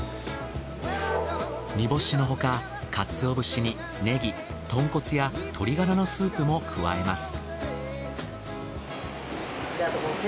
煮干しの他カツオ節にネギ豚骨や鶏ガラのスープも加えます。